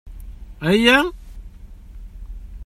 Ayya!